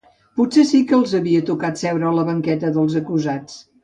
Potser sí que els havia tocat seure a la banqueta dels acusats.